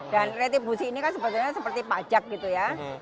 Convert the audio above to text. dan retribusi ini kan sebetulnya seperti pajak gitu ya